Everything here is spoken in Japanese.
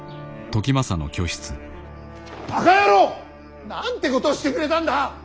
ばか野郎！なんてことをしてくれたんだ！